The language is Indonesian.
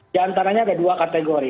di antaranya ada dua kategori